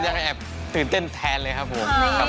ก็ยังแอบตื่นเต้นแทนเลยครับผม